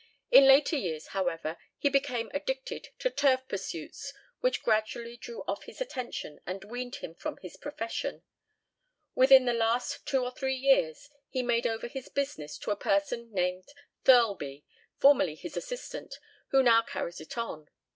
In later years, however, he became addicted to turf pursuits, which gradually drew off his attention and weaned him from his profession. Within the last two or three years he made over his business to a person named Thirlby, formerly his assistant, who now carries it on.